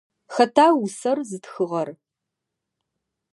Хэта усэр зытхыгъэр?